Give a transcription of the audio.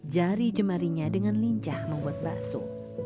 jari jemarinya dengan lincah membuat bakso